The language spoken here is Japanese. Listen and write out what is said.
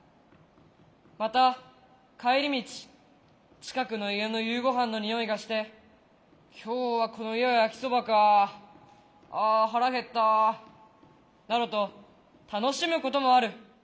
また帰り道近くの家の夕ごはんの匂いがして「今日はこの家は焼きそばかあ。ああ腹減った」などと楽しむこともある。